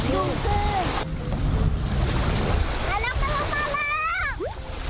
อ๊ะแล้วก็เรามาแล้ว